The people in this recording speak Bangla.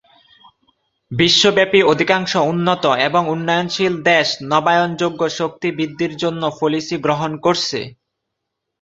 বিশ্বব্যাপী অধিকাংশ উন্নত এবং উন্নয়নশীল দেশ নবায়নযোগ্য শক্তি বৃদ্ধির জন্য পলিসি গ্রহণ করেছে।